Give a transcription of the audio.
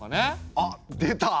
あっ出た！